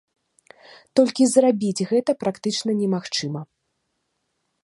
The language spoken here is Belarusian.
Толькі зрабіць гэта практычна немагчыма.